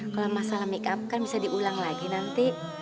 kalau masalah make up kan bisa diulang lagi nanti